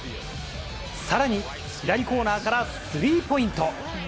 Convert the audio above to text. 更に、左コーナーからスリーポイント！